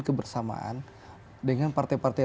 kebersamaan dengan partai partai